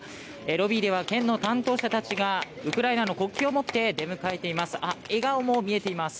ロビーでは県の担当者たちがウクライナの国旗を持って出迎えています。